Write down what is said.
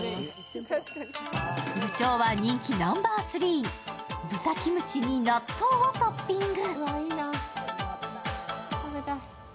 部長は人気ナンバー３、豚キムチに納豆をトッピング。